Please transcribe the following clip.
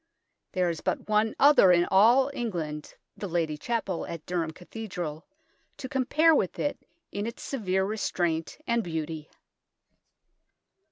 There is but one other in all England, the Lady Chapel at Durham Cathedral, to compare with it in its severe restraint and beauty.